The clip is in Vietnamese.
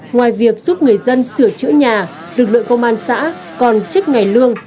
ngoài việc giúp người dân sửa chữa nhà lực lượng công an xã còn trích ngày lương